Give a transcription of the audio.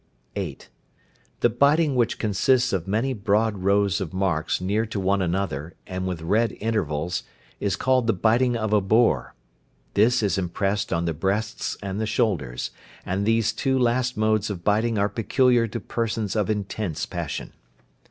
(8). The biting which consists of many broad rows of marks near to one another, and with red intervals, is called the "biting of a boar." This is impressed on the breasts and the shoulders; and these two last modes of biting are peculiar to persons of intense passion.